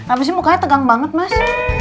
abis ini mukanya tegang banget mas